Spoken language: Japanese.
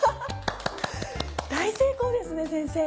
大成功ですね先生！